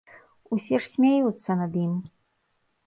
Усе ж смяюцца над ім.